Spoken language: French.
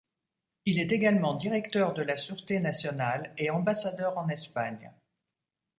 Il est également directeur de la sûreté nationale et ambassadeur en Espagne.